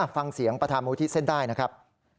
ฟังเสียงประธานมูลที่เส้นได้นะครับ